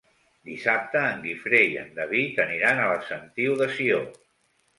Dissabte en Guifré i en David aniran a la Sentiu de Sió.